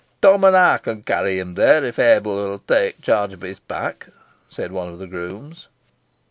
"Tom and I can carry him there, if Abel will take charge of his pack," said one of the grooms.